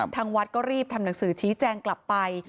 ทางวัดก็รีบทำหนังสือชี้แจงกลับไป